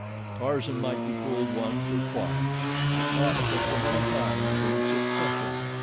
Tarzan might be fooled once or twice, but not for so many times in succession!